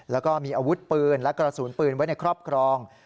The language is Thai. แล้วก็มีอาวุธปืนและกระสุนปืนไว้ในครอบครอง